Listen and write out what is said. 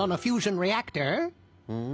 うん。